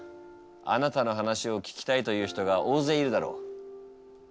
あなたの話を聞きたいという人が大勢いるだろう。